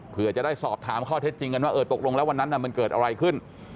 เพื่อจะได้สอบถามข้อเท็จจริงกันว่าเออตกลงแล้ววันนั้นมันเกิดอะไรขึ้น